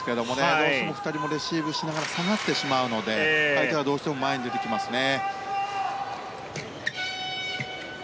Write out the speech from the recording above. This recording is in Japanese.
どうしても２人もレシーブしながら下がってしまうので相手はどうしても前に出てきますね。